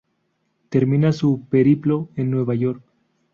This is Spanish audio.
Termina su periplo en Nueva York.